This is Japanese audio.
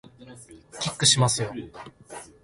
キックしますよ